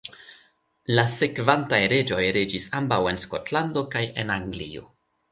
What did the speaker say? La sekvantaj reĝoj reĝis ambaŭ en Skotlando kaj en Anglio.